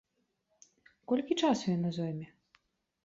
Колькі часу яна зойме?